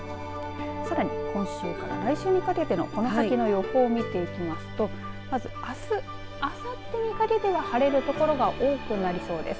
さらに今週から来週にかけてのこの先の予報見ていきますとまずあす、あさってにかけては晴れる所が多くなりそうです。